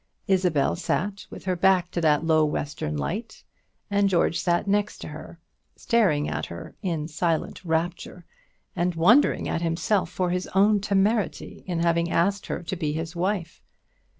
Isabel sat with her back to that low western light, and George sat next to her, staring at her in a silent rapture, and wondering at himself for his own temerity in having asked her to be his wife.